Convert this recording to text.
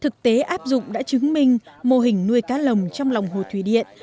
thực tế áp dụng đã chứng minh mô hình nuôi cá lồng trong lòng hồ thủy điện